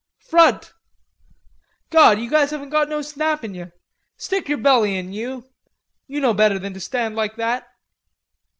"Front! God, you guys haven't got no snap in yer.... Stick yer belly in, you. You know better than to stand like that."